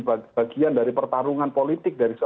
bagian dari pertarungan politik